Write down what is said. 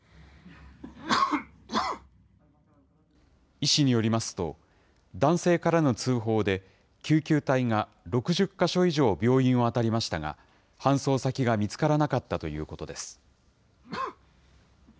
医師によりますと、男性からの通報で、救急隊が６０か所以上、病院をあたりましたが、搬送先が見つからなかったということです。